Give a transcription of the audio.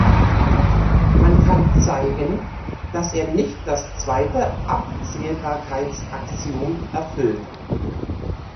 Man kann zeigen, dass er nicht das zweite Abzählbarkeitsaxiom erfüllt.